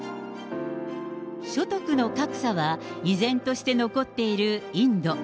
所得の格差は依然として残っているインド。